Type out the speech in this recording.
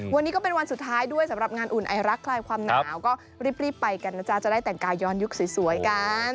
วันนี้ก็เป็นวันสุดท้ายด้วยสำหรับงานอุ่นไอรักคลายความหนาวก็รีบไปกันนะจ๊ะจะได้แต่งกายย้อนยุคสวยกัน